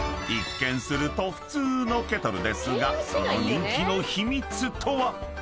［一見すると普通のケトルですがその人気の秘密とは？］